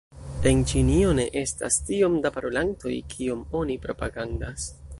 En Ĉinio ne estas tiom da parolantoj, kiom oni propagandas.